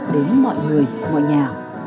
đến mọi người mọi nhà